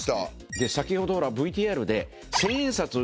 で先ほどＶＴＲで。